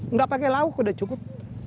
nggak pakai lauk udah cukup